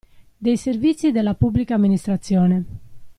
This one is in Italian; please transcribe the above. Dei servizi della Pubblica Amministrazione.